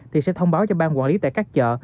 thì sẽ thông báo cho ban quản lý tại các chợ